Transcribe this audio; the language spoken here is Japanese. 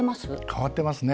変わってますね。